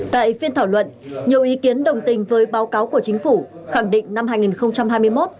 tại phiên thảo luận nhiều ý kiến đồng tình với báo cáo của chính phủ khẳng định năm hai nghìn hai mươi một